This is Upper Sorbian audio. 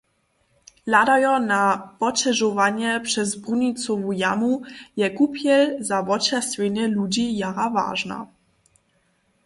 Hladajo na poćežowanja přez brunicowu jamu je kupjel za wočerstwjenje ludźi jara wažna.